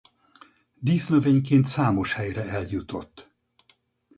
Dísznövényként számos helyre eljutott.